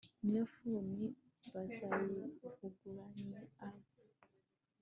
niyo funi Bazayivuruganye ay